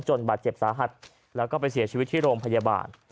บาดเจ็บสาหัสแล้วก็ไปเสียชีวิตที่โรงพยาบาล